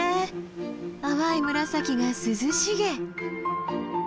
淡い紫が涼しげ。